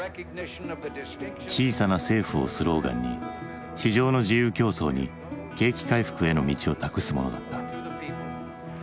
「小さな政府」をスローガンに市場の自由競争に景気回復への道を託すものだった。